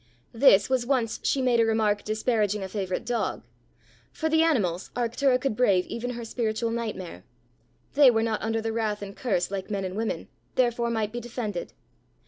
This was once she made a remark disparaging a favourite dog: for the animals Arctura could brave even her spiritual nightmare: they were not under the wrath and curse like men and women, therefore might be defended!